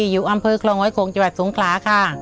อยู่อำเภอคลองหอยโขงจังหวัดสงขลาค่ะ